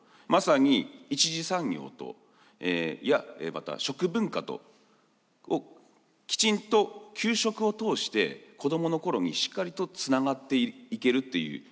まさに一次産業といやまた食文化とをきちんと給食を通して子どもの頃にしっかりとつながっていけるっていう。